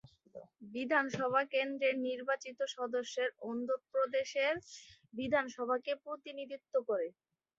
বিধানসভা কেন্দ্রের নির্বাচিত সদস্য অন্ধ্রপ্রদেশের বিধানসভাতে প্রতিনিধিত্ব করে।